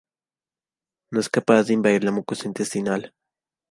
No es capaz de invadir la mucosa intestinal.